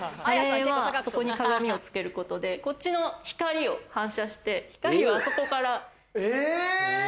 そこに鏡をつけることで、こっちの光を反射して、光をあそこから。